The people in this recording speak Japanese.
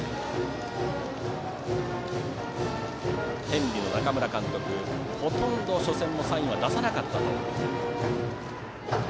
天理の中村監督ほとんど初戦はサインを出さなかったと。